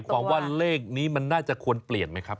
ความว่าเลขนี้มันน่าจะควรเปลี่ยนไหมครับ